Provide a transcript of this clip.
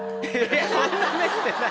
そんな目してない！